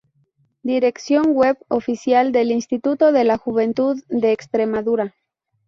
Dirección web oficial del Instituto de la Juventud de Extremadura.